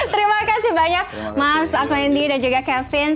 terima kasih banyak mas arsma indy dan juga kevin